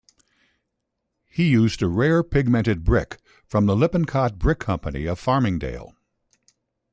He used a rare pigmented brick from the Lippincott Brick Company of Farmingdale.